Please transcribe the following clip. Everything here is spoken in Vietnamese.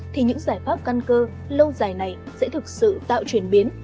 thì những giải pháp căn cơ lâu dài này sẽ thực sự tạo chuyển biến